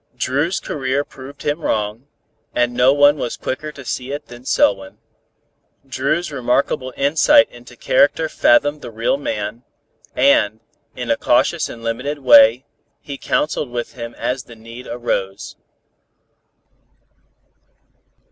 Dru's career proved him wrong, and no one was quicker to see it than Selwyn. Dru's remarkable insight into character fathomed the real man, and, in a cautious and limited way, he counseled with him as the need arose.